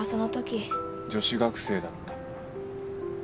女子学生だった。